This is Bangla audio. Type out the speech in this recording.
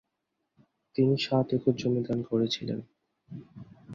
তিনি সাত একর জমি দান করেছিলেন।